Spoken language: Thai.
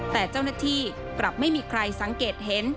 แต่เจ้าหน้าที่กลับไม่มีใครสังเกตเห็น